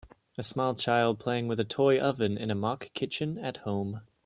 A small child playing with a toy oven in a mock kitchen at home